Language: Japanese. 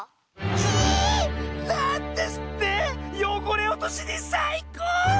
キイー！なんですってよごれおとしにさいこう⁉